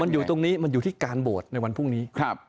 อยู่ตรงนี้มันอยู่ที่การโหวตในวันพรุ่งนี้